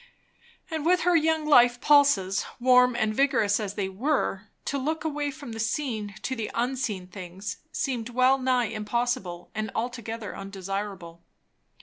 And with her young life pulses, warm and vigorous as they were, to look away from the seen to the unseen things seemed well nigh impossible and altogether undesirable.